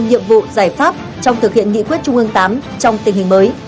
nhiệm vụ giải pháp trong thực hiện nghị quyết trung ương viii trong tình hình mới